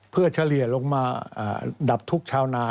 เพื่อเฉลี่ยลงมาดับทุกข์ชาวนา